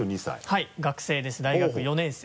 はい学生です大学４年生。